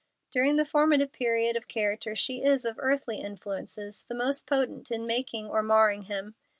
During the formative period of character she is, of earthly influences, the most potent in making or marring him.